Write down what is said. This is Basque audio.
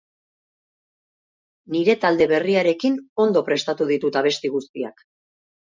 Nire talde berriarekin ondo prestatu ditut abesti guztiak.